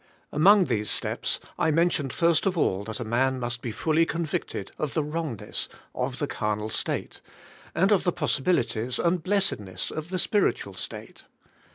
Among these steps I men tioned first of all that a man must be fully convict ed of the wrong ness of the carnal state, and of the possibilities and blessedness of the spiritual state.